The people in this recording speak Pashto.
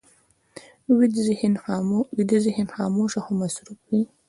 ویده ذهن خاموش خو مصروف وي